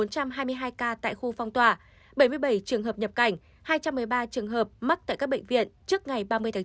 bốn trăm hai mươi hai ca tại khu phong tỏa bảy mươi bảy trường hợp nhập cảnh hai trăm một mươi ba trường hợp mắc tại các bệnh viện trước ngày ba mươi tháng bốn